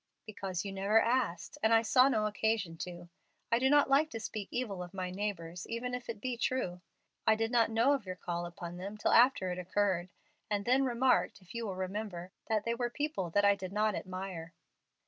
"Because you never asked, and I saw no occasion to. I do not like to speak evil of my neighbors, even if it be true. I did not know of your call upon them till after it occurred, and then remarked, if you will remember, that they were people that I did not admire."